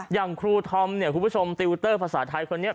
อย่างครูธอมเนี่ยคุณผู้ชมติวเตอร์ภาษาไทยคนนี้